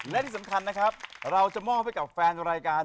และที่สำคัญนะครับเราจะมอบให้กับแฟนรายการ